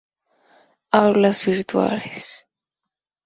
Aulas virtuales.